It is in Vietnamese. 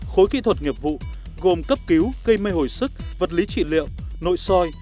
khối kỹ thuật nghiệp vụ gồm cấp cứu cây mê hồi sức vật lý trị liệu nội soi